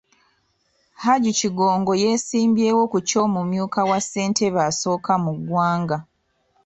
Hajji Kigongo yeesimbyewo ku ky’omumyuka wa Ssentebe asooka mu ggwanga.